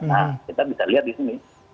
nah kita bisa lihat di sini